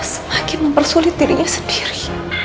semakin mempersulit dirinya sendiri